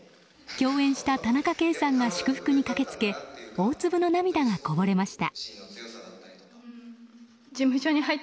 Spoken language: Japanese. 共演した田中圭さんが祝福に駆け付け大粒の涙がこぼれました。